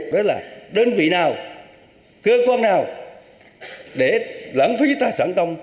đó là đơn vị nào cơ quan nào để lãng phí tài sản công